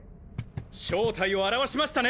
正体を現しましたね！